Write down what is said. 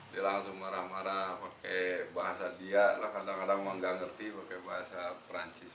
dia langsung marah marah pakai bahasa dia lah kadang kadang mah gak ngerti pakai bahasa perancis